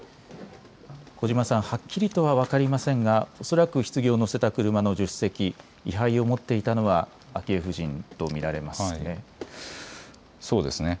小嶋さん、はっきりとは分かりませんが恐らくひつぎを乗せた車の助手席、位はいを持っていたのは昭恵夫人と見られますね。